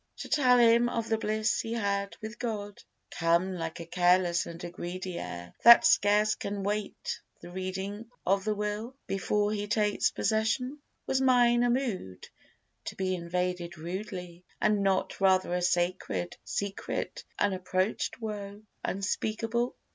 To tell him of the bliss he had with God; Come like a careless and a greedy heir, That scarce can wait the reading of the will Before he takes possession? Was mine a mood To be invaded rudely, and not rather A sacred, secret, unapproached woe Unspeakable?